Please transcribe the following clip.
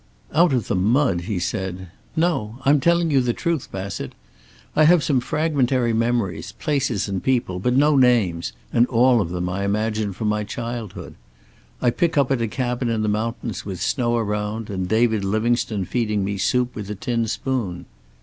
"Out of the mud!" he said. "No. I'm telling you the truth, Bassett. I have some fragmentary memories, places and people, but no names, and all of them, I imagine from my childhood. I pick up at a cabin in the mountains, with snow around, and David Livingstone feeding me soup with a tin spoon."